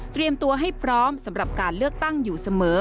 ตัวให้พร้อมสำหรับการเลือกตั้งอยู่เสมอ